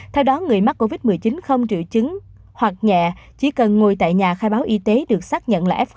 theo đó người mắc covid một mươi chín không triệu chứng hoặc nhẹ chỉ cần ngồi tại nhà khai báo y tế được xác nhận là f một